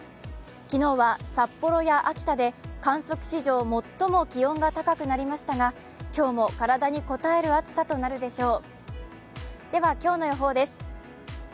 昨日は札幌や秋田で観測史上最も気温が高くなりましたが今日も体にこたえる暑さとなるでしょう。